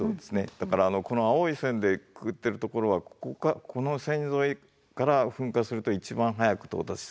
だからこの青い線でくくってるところはこの線沿いから噴火すると一番早く到達する。